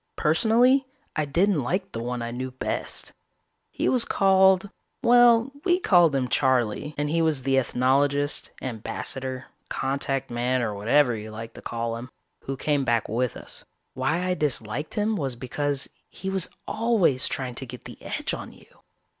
Personally I didn't like the one I knew best. He was called well, we called him Charley, and he was the ethnologist, ambassador, contact man, or whatever you like to call him, who came back with us. Why I disliked him was because he was always trying to get the edge on you.